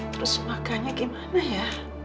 terus makanya gimana ya